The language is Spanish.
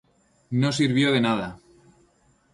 No sirvió de nada.